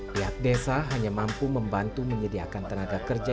pihak desa hanya mampu membantu menyediakan tenaga kerja